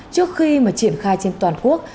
trước khi mà triển khai trên toàn quốc